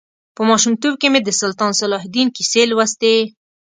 په ماشومتوب کې مې د سلطان صلاح الدین کیسې لوستې.